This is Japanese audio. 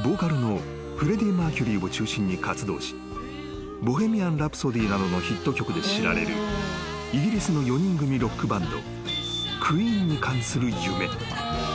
［ボーカルのフレディ・マーキュリーを中心に活動し『ボヘミアン・ラプソディ』などのヒット曲で知られるイギリスの４人組ロックバンドＱＵＥＥＮに関する夢］